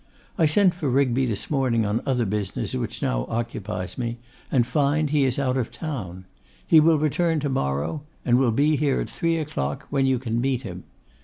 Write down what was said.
I sent for Rigby this morning on other business which now occupies me, and find he is out of town. He will return to morrow; and will be here at three o'clock, when you can meet him.